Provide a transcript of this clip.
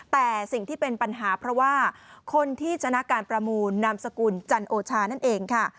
แต่สิ่งที่เป็นปัญหาเพราะว่าคนที่ชนะการประมูลนามสกุลจันโอชานั่นเองค่ะ